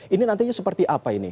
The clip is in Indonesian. ini nantinya seperti apa ini